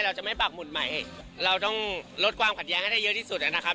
เราจะไม่ปากหมุนใหม่เราต้องลดความขัดแย้งให้ได้เยอะที่สุดนะครับ